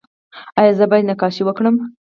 ایا زه باید نقاشي وکړم؟